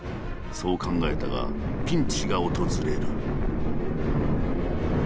そう考えたがピンチが訪れる。